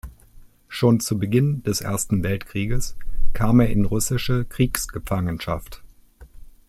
Schon zu Beginn des Ersten Weltkrieges kam er in russische Kriegsgefangenschaft.